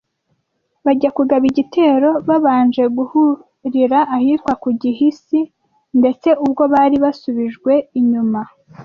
Bajya kugaba igitero babanje guhurira ahitwa ku Gihisi, ndetse ubwo bari basubijwe inyuma